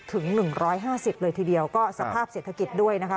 ถึงหนึ่งร้อยห้าสิบเลยทีเดียวก็สภาพเศรษฐกิจด้วยนะคะ